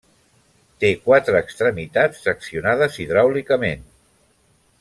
Té quatre extremitats accionades hidràulicament.